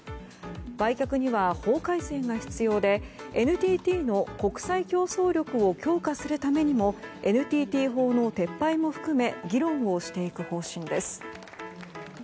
売却には、法改正が必要でＮＴＴの国際競争力を強化するためにもＮＴＴ法の撤廃も含め議論をしていく方針です。